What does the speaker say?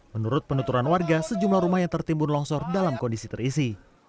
menurut penuturan warga sejumlah rumah yang tertimbun longsor dalam kondisi terisi